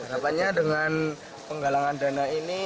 harapannya dengan penggalangan dana ini